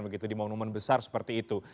begitu di monumen besar seperti itu